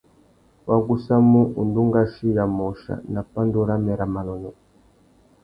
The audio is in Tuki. Wa gussamú undú ngʼachiya môchia nà pandú râmê râ manônôh.